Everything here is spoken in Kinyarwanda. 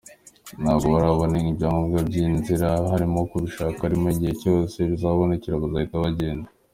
Ntabwo barabona ibyangombwa by’inzira barimo kubishaka ariko igihe cyose bizabonekera bazahita bagenda.